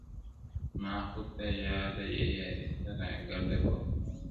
زما خو ته یاده يې یاري، ته را گډه په هنر کي.